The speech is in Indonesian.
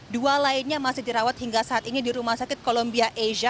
dua lainnya masih dirawat hingga saat ini di rumah sakit columbia asia